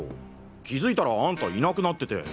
気付いたらあんたいなくなってて。